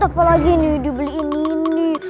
apalagi nih dibeliin ini